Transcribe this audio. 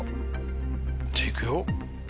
じゃ行くよ？